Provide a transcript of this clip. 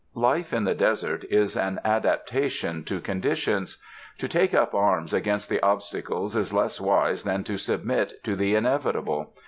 Life in the desert is an adaptation to conditions. To take up arms against the obstacles is less wise than to submit to the inevitable.